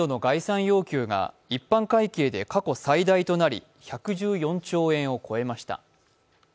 来年度の概算要求が一般会計で過去最大となり１１４兆円を超えました。